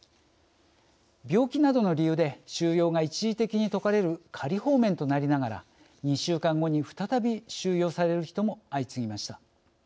病気などの理由で収容が一時的に解かれる仮放免となりながら２週間後に再び収容される人も相次ぎました。